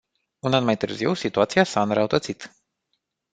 Un an mai târziu, situația s-a înrăutățit.